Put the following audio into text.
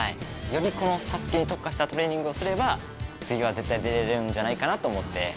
より『ＳＡＳＵＫＥ』に特化したトレーニングをすれば次は絶対出られるんじゃないかなと思って。